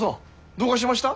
どうかしました？